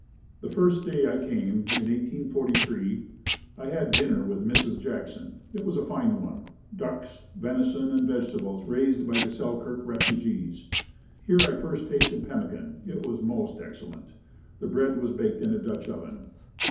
The first day I came, in 1843, I had dinner with Mrs. Jackson. It was a fine one ducks, venison, and vegetables raised by the Selkirk refugees. Here I first tasted pemmican. It was most excellent. The bread was baked in a Dutch oven.